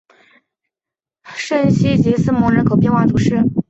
圣西吉斯蒙人口变化图示